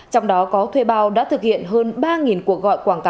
trong đó có thuê bào đã thực hiện hơn ba cuộc gọi